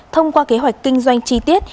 thông qua kế hoạch kinh doanh chi tiết